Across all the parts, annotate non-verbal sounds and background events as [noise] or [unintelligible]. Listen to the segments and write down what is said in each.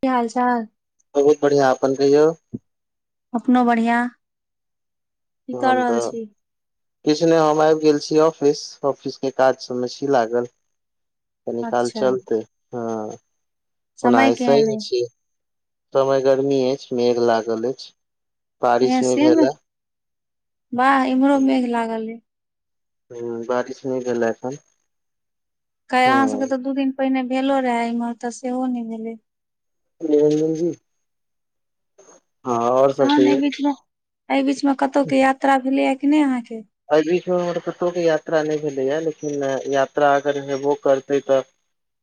की हाल चाल बहुत बढ़ियाँ अपन कहियौ अपनो बढ़ियाँ हम तऽ किछु नय हम आबि गेल छी ऑफिस ऑफिस के काज सब मे छी लागल कनी काल अच्छा चलतै ओना समय केहन ऐसेही अइ छी समय गर्मी अछि मेघ लागल अछि इहाँ बारिश नहि से भेल मे ह वाह इम्हरो मेघ लागल हय। हँ बारिश नय भेल ए एखन। कै हँ अहाँ सभके तऽ दू दिन पहिने भेलो रहै इम्हर तऽ सेहो नय भेलै निरंजन जी हँ आओर सब तहन एहि कहियौ बीच मे एहि बीच मे कतौ के यात्रा भेलैया की नय अहाँके। अइ बीच मे हमर कतौ के यात्रा नय भेलैये लेकिन यात्रा अगर हेबो करतै तऽ।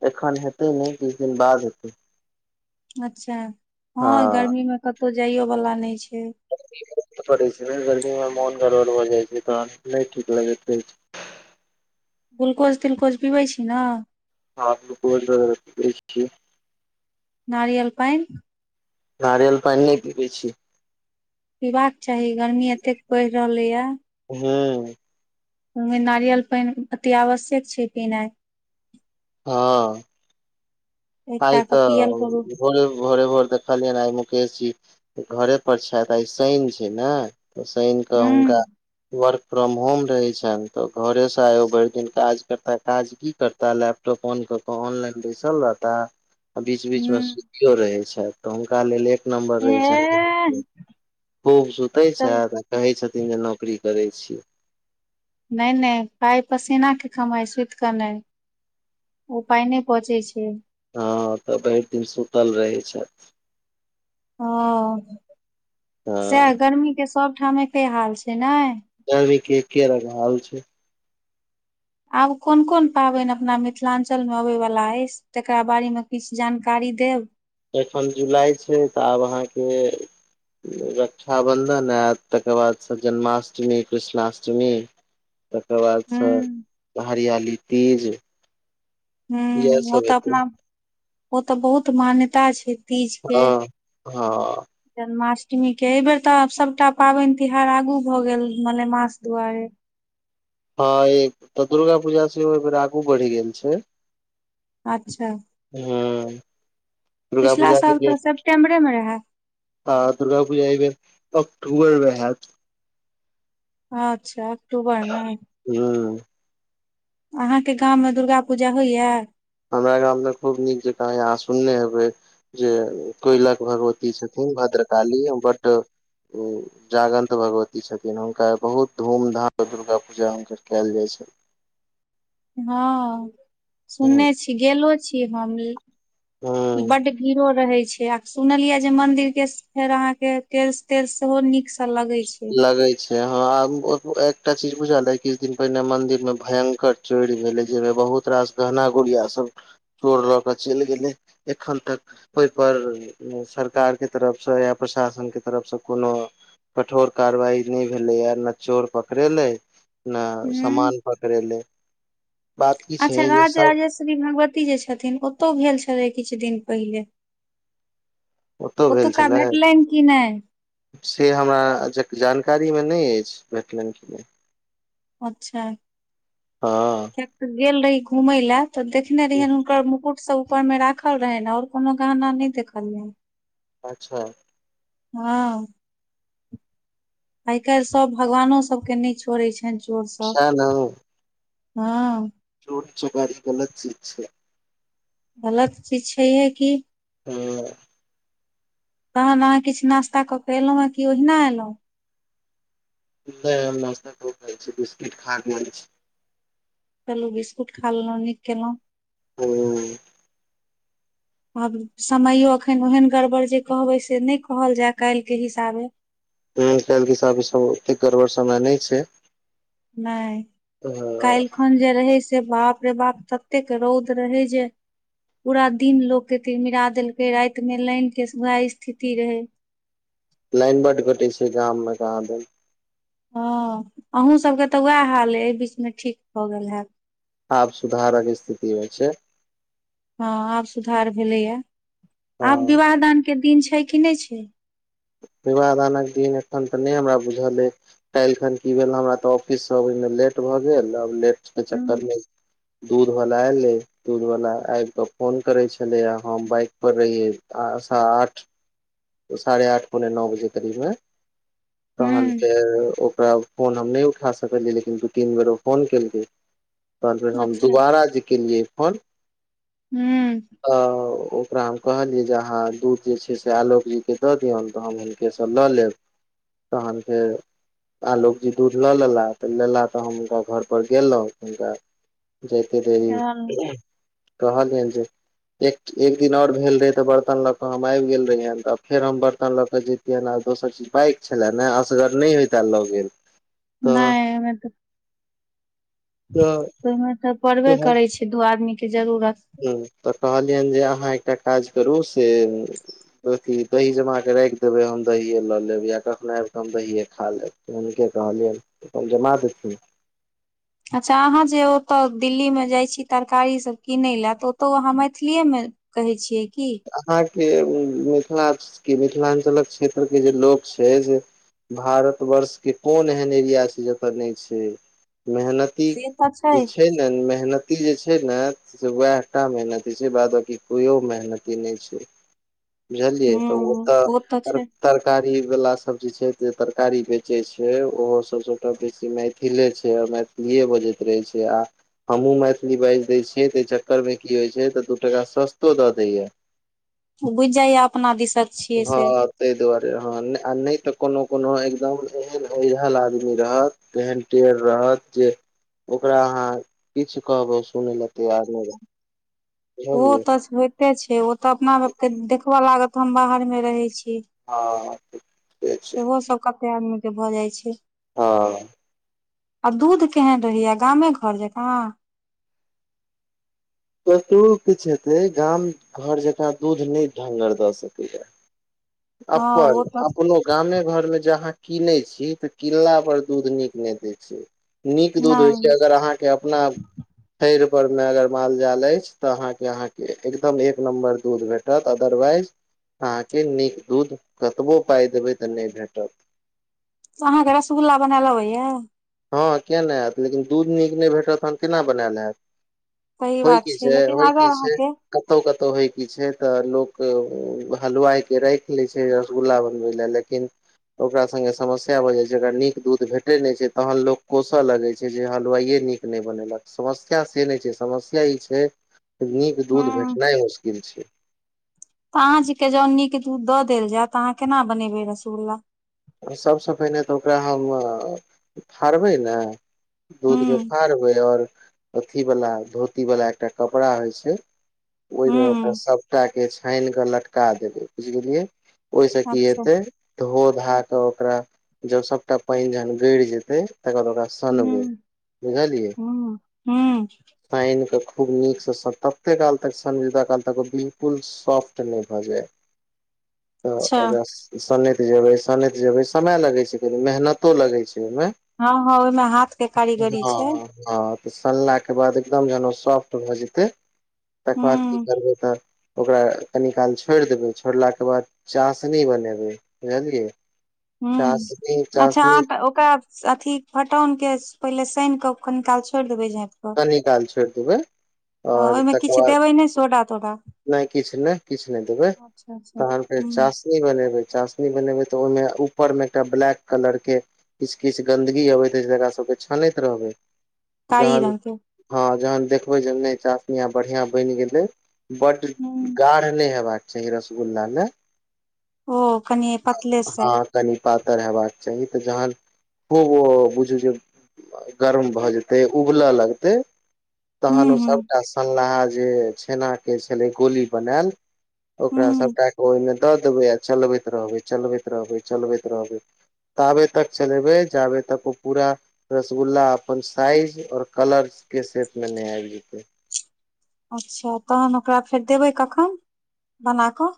एखन हेतै नय किछु दिन बाद हेतै अच्छा हँ गर्मी मे कतौ जाइयो वाला नय छै। छै ने गर्मी मे मोन गड़बड़ भऽ जाइ छै तहन नय ठीक लगैत रहै छै। ग्लुकोज तिलकोज पिबै छी न हँ ग्लुकोज पिबै छी। नारियल पानि नारियल पानि नय पीबै छी। पीबाक चाही गर्मी एतेक परि रहलै ये। हुँ ओहिमे नारियल पानि अति आवश्यक छै पीनाइ। हँ। आइ एकटा कऽ पियल करू तऽ भोरे भोरे भोर देख। देखलियनि आय मुकेश जी घरे पर छथि आय शनि छै ने तऽ शनि कऽ हुनका हूँ वर्क फ्रॉम होम रहै छनि तऽ घरे से आय ओ भरि दिन काज करता काज की करता लेप टाॅप ओन कऽ के ऑनलाइन बैसल रहता। आ बीच बीच मे हूँ सुतियो रहै छथि तऽ हुनका लेल एक। नम्बर रहै छै एह खूब सुतै चल छैथ। कहै छथिन जे नौकरी करै छी नय नय पाइ पसीना के कमाइ सुति कऽ नय। ओ पाय नय पचै छै। हँ तऽ भरि दिन सुतल रहै छै। ओ हँ सएह गर्मी के सभठाम एके हाल छै ने। गर्मी के एक के रंग हाल छै। आब कोन कोन पाबनि अपना मिथिलाञ्चल मे अबय वाला अछि। तकरा बारे मे किछु जानकारी देब। एखन जुलाई छै तऽ आब अहाँकेँ रक्षाबंधन आयत तकर बाद जन्माष्टमी कृष्णाष्टमी [inaudible] तकर हूँ बादसँ हरियाली तीज। हू इएह ओ सब तऽ हेतै अपना ओ तऽ बहुत मान्यता छै। तीज के हँ हँ जन्माष्टमीके एहि बेर तऽ सभटा पाबनि तिहार आगू भऽ गेल मनेमास दुआरे। हँ एक तऽ दुर्गा पूजा से ओ बेर आगू बढ़ि गेल छै- अच्छा हँ दुर्गा पिछला पूजा साल तऽ सेप्टेम्बरे मे रहे आ दुर्गा पूजा एहिमे अक्टूबर मे हयत। अच्छा अक्टूबर मे। हू अहाँके गाममे दुर्गा पूजा होइएा। हमराग हमने खूब नीक जे कह ह आसनने ह। जे कोयलक भगवती छथिन भद्र काली बड उ जगन्त भगवती छथिन हुनका बहुत धूमधामसँ दुर्गा पूजा हुनकर कयल जाइ छनि। हँ सुनने छी गेलो छी हम ह बड घीरो। रहे छै आ सुनलिये जे मंदिर के फेर अहाँ के तेल तेल सेहो नीक से लगे छै। लगे छै हैं एकटा चीज बुझल किछु दिन पहिने मंदिर मे भयंकर चोर भेलै जाहिमे बहुत रास गहना गुड़िया सभ चोरल चलि गेल एखन तक ओहिप सरकार के तरफस या प्रशासन के तरफसँ कोनो कठोर कारवाई नहि भेले य नै चोर पकड़ेले ने हूँ समामान कर ले बात कि छै जेस श्री भगवती जे छथिन ओतौ भेल छलै किछु दिन पहिले। ओतौ भेल ओतुका छलै भेटलनि कि नहि से हमरा जानकारी मे नहि अछि भेटलनि क अच्छा हँ कियाकि तऽ गेल रही घुमय ला तऽ देख देखने रहियै हुनकर मुकुट सभ ऊपर मे राखल रहनि और कोनो गहना नहि देखल रहै। अच्छा। हँ। आइ काल्हि सभ भगवानो सभके नहि छोड़ैत छनि चोर सभ सएह हँ, चोट चकारी गलत चीज छै। गलत चीज छै हे कि हू तहन अहाँ किछु नास्ताऽ के एलहुर कि ओहिना एलहु नहि नश्ताै छै बिस्किट खा कऽ आएल छै, पलु बिस्कुट खा लेलू नीक केलहुँ, हू आब समयो अखन ओहन गड़बड़ जे कहबै से नय कहल जाय काल्हि के हिसाबे हूं [unintelligible] सब ओतेक गड़बड़ समय नय छै नय काइल खन जे रहै से बाप रे बाप ततेक रौद रहे जे पूरा दिन लोग के तिलमिरा देलकै राति मे लाइन के वएह स्थिति रहै लाइन बड कटै छै गाम मे कहाँ दनि हँ अहूँ सबके तऽ उएह हाल अइ एहि बीच मे ठीक भऽ गेल हति आब सुधारक स्थिति होइ छै हँ आब सुधार भेलैया आब हँ विवाह दानके दिन छै कि नय छै विवाह दानक दिन एखन तऽ नय हमरा बुझल यै काल्हि खन की भेल हमरा तऽ ऑफिस सँ अबै मे लेट भऽ गेल आ लेट के हँ चक्कर मे दूध बला एलै दूधक्षवला आबि कऽ फोन करै छलैए हम बाइकक्षपर रहियै आ शा आठ साढ़े आठ पौने नओ बजे करीब मे तहन हूँ फेर ओकरा फोन हम नय उठा सकलियै लेकिन दू तीन बेर ओ फोन केलकै तन फेर हम अच्छा दुोबारा जे केलियै फोन हूँ त ओकरा हम कहलियै जे अहााँ दूध जे छै से आलो क जी के दऽ दियौन तऽ हम हुनकेसँ लऽ लेब तहन फेर आलोक जी दूध लऽ लेला तऽ लेला तऽ हम हुनका घर परर गेलौं हुनका जयते देरी कहलियन जे एक एक दिन आओर भेल रहै तऽ बर्तन ल के हम आबि गेल रहियैन तब फेर हम बर्तन लऽ के जैतियनि आ दोसर चीज बाइक छले ने असगर नय होइते लऽ गेल नय ओमे तऽ ओइमे तऽ परबे करै छी दू आदमी के जरूरत हूं तऽ कहलियनि जे अहाँ एकटा काज करू से अथी दही जमा कऽ राखि देबय हम दही लऽ लेब या कखनो आबि कऽ हम दहीए खा लेब हुनके कहलियनि जमा देथिन अच्छा अहाँ जे ओतय दिल्ली मे जाइ छी तरकारी सभ किनय लए तऽ ओतहु अहाँ मैथिलीए मे कहै छियै की अहाँ के मिथिला के मिथिलाञ्चलक क्षेत्र के जे लोक छै से भारत वर्ष के कोन एहन एरिया छै जत नय छय मेहनत इ से तऽ छै जे छय न मेहनत इ जे छय ने से वेह टा मेहनती छैय बाद बाकी कियो मेहनत मेहनती नय छय बुझलियै तऽ ओ तऽ तरकारी वला सब‌ जे छैय से तरकारी बेचै छै ओहो सब सबटा बेसी खेले छय मैथिलीए बजति रहै छय आ हमहु मैथिली बाजि दय छियै तई चक्कर मे की होइ छय तऽ दू टाका सस्तो द दइया बुझि जाईया अपना दिसक छियै से हं तय दुआरे हं आ नय तऽ कोनो कोनो एकदम एहन ओरियेल आदमी रहत तेहेन टेर रहत जे ओकरा अहाँ किछ कहबै सुनै ले तैयार नय रहत ओ बुझलियै तऽ होइते छय ओ तऽ अपना आपके देखबऽ लागत हम बाहर मे रहय छी हँ से छै सेहो सब कते आदमी के भऽ जाइ छय हं आ दूध केहैन रहया गामे घर जका कतो किछु हेते गांम घर जका दूध नै ढ्ंगर द सकइ या। हँ अपन ओ तऽ अपनो गांम घर में ज अहाँ कीनय छी तऽ किनला पर दूध नीक ने दैय छैय। नीक दूध होइ छैय नहि अगर अहाँ के अपना। थैयर पर में अगर माल जाल अछि ते अहाँ के अहाँ के एकदम एक नम्बर दूध भेटत। दत अदरवाइज अहाँके नीक दूध कतबो पाइ देबय तऽ नहि भेटत। तऽ अहाँके रसगुल्ला बनेल आबया। हँ किया नहि ऐत लेकिन दूध नीक नहि भेटत त कैना बनैल हेत। सही होइ बात की छै छैय लेकिन होइ अगर की छैय। अहाँके कतौउ कतौउ होय की छैय तऽ लोक हलुवाई के राखी लय छैय गुल्ला बनबयला लेकिन ओकरा संगे समस्या भ जाई छैय नीक दूध भेटे नहि छैय। तहन लोक कोस लगय छैय जे हलवाई नीक नहि बनेलक समस्या से नहि छैय समस्या ई छैय। नीक दूध हूँ भेटनाय मुश्किल छैय। अहाँ जि के नीक दूध दऽ देल जाय तऽ अहाँ कैना बनैबय रसगुल्ला। सब स पहिने तऽ ओकरा हम फड़बैय न दूध हूँ के फाड़बैय और अथी वाला धोती वाला एकटा कपड़ा होय छैय। ओहिमे हूँ ओकरा हूँ सबटाके छानि कऽ लटका देबैय बुझ गेलियै। ओहि से की अच्छा हेते धो धा तऽ ओकरा जब सबटा पाइन जहन गईर जेते तखन ओकरा। सनबैय हूँ बुझलियै हूँ हूँ साइन के खूब नीक से तते काल तक सनबैय ततबा काल तक बिलकुल। सॉफ्ट नहि भऽ जाय क तऽ ओकरा सनैत जेबैय सनैत जेबैय समय लगे छैय कनो मेहनतो लगे छैय ओहिमे हँ हँ ओहिमे हाथ के कारीगरी हँ छैय हँ तऽ सनला के बाद एकदम जह ओ सॉफ्ट भ जेतैय तकर बाद की हूँ करबैय त ओकरा कनि काल छोड़ि देबैय छोड़ला के बाद चासनी बनेबैय बुझलियै। हु चासनी अच्छा हाँ चासनी त ओकरा अथी फटौनके पहिले सान कऽ कनि काल छोड़ि देबै झैप कनि काल छोर देबैय। हँ ओहिमे किछ देबैय नहि सोडा तोडा। नहि किछ नहि किछ नहि देबैय अच्छा अच्छा तहन फेर चास हुं चाशनी बनेबै चाशनी बनेबे तऽ ओहिमे ऊपर में एकटा ब्लैक कलर के किछु किछु गन्दगी अबैत रहै जकरा सब के छानैत रहबै। कारी जहन रंग के हँ जहन देखबै जे नहि चासनी आ बढ़िआँ बनि गेलै। बड्ड हुं गाढ नहि हेबा के चाही रसगुल्ला मे। ओ कनी पतले से हँ कनि पातर हेबाक चाही तऽ जहन खूब ओ बुझू जे गरम भऽ जेतै उबलऽ लगतै हुं तहन ओ हुं सभटा सनलाहा जे छेना के छलै गोली बनायल ओकरा हुं सभटा क ओहिमे दऽ देबै आ चलबैत रहबै, चलबैत रहबै, चलबैत रहबै। ताबे तक चलेबै जाबे तक ओ पूरा रसगुल्ला अपन साइज और कलर के सेप मे नै आबै जेते। अच्छा तहन ओकरा फेर देबै कखन बना क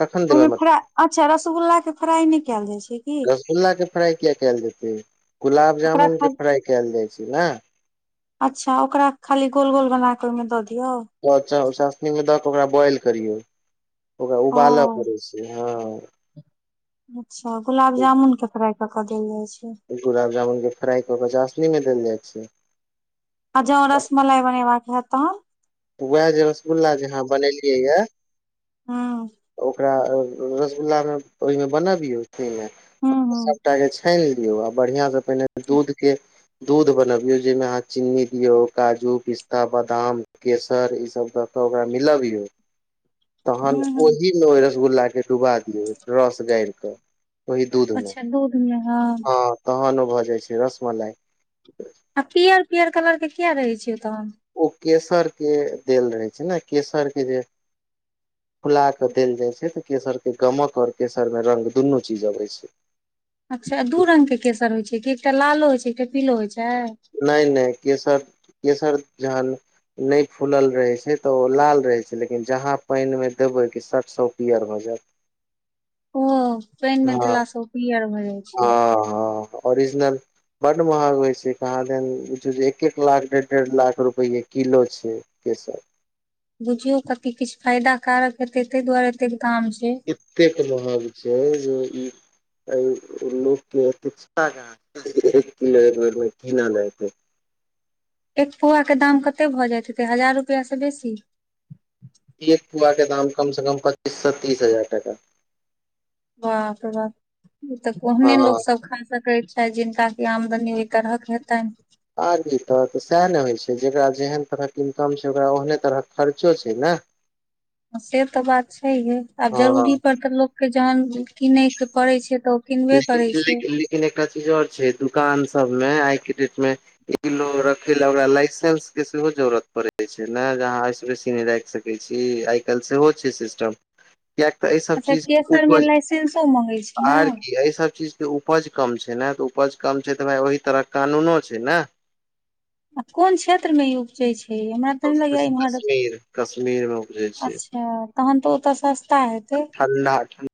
कखन देबै मतलब? अच्छा रसगुल्ला के फ्राइ नहि कयल जाइ छै की रसगुल्ला के फ्राई किया केल जेतय जे गुलाब ओकरा जामुन के खाली फ्राइ कैल जाइ छै ने? अच्छा ओकरा खाली गोल गोल बना के ओहि मे दऽ दिऔ? चासनी मे दए के ओकरा बॉइल करियऔ ओकरा ओ उबालय पड़य छै। ह अच्छा गुलाब जामुन के फ्राई के देल जाइ छै। गुलाब जामुन के फ्राई कऽ के चशनी मे देल जाई छै। आ जो रसमलाई बनेबाक हैत तखन? वएह जे रसगुल्ला जे अहाँ बनेलियै य ह ओकरा रसगुल्ला मे ओहि मे बनबियौ घी मे हुं हुं सभटा के छानि लियौ आ बढ़िआ से पहिने दूध के दूध बनबि यो जाहि मे अहाँ चीन्नी दियो काजू पिस्ता, बादाम केसर ई सभ दऽ कऽ ओकरा मिलबयौ तहन हुं हुं ओहि ओहि रसगुल्ला के डुबा दियौ रस गारिक ओहि दूध मे अच्छा दूध मे हँ ह तहन ओ भऽ जाई छै रसमलाई। आ पीयर पियर कलर के किया रहे छै ओ तहन? ओ केसर के देल रहै छै ने केसर के ज फुला के देल जाय छै तऽ केसर के गमकऽ और केसर मे रंग दुनू चीज अबै छै। अच्छा दू रंग के केसर होई छै कि एकटा लालो होइत छै एकटा पीलो होइत छै? नहि नहि केसर केसर जहन। नहि फूलल रहै छै तऽ ओ लाल रहै छै लेकिन जहाँ पानि मे देबै कि सट स ओ पियर भऽ जायत। ओ पानि मे देलासँ ओ पीयर भए जाई छै। ह ओरिजिनल बड्डि महग होई छै कहाँदैन एक एक लाख डेढ़ डेढ़ लाख रुपैए किलो छै। केसर। बुझियौ कती किछु फायदा कारक हेतै ताहि दुआरे एतेक दाम छै। एतेक महग छै जे अय लोकके एत इच्छा कहाँ एक किलो एक बेर मे किनल एक पौआ के दाम ककते भऽ जाय हेते हजार रुपैआ से बेसी एक पौआ के दाम कम से कम पच्चीससँ तीस हजार टका। बाप रे बाप तऽ ओहने लोक हँ सभ खा सकैत छै जिनका कऽ आमदनी ओहि तरह के हेतनि आगी तऽ तऽ सएह ने होई छै जेकरा जेहन तरहक इनकम छै ओकरा ओहने तरहक खर्चो छै ने [inaudible] से तऽ बात छैहे आब हँ जरूरी पर तऽ लोक के जहन किनय के पड़ै छै तऽ ओ किनबे करे लेकिन छै लेकिन लेकिन एकटा चीज और छै दुकान सभ मे आइ के डेट मे एक किलो रखे ले ओकरा लाइसेस के सेहो जरूरत पड़े छै ने जे अहाँ से बेसी नहि राखि सकय सकै छी आई काल सेहो छै सिस्टम। [inaudible] कियाकि अच्छा केसर मे लाइसेसो मंगै छै न य सभ चीज के उपज कम छै ने तऽ उपज कम छै तऽ भाय ओहि तरह कानूनो छै ने, आ कोन क्षेत्रमे ई उपजै छै, हमरा तऽ नहि लगैये इम्हर कश्मीर कश्मीर मे बुझै छियै। अ तहन तऽ ओतऽ सस्ता हेतै ठंडा